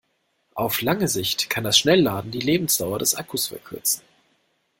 Auf lange Sicht kann das Schnellladen die Lebensdauer des Akkus verkürzen.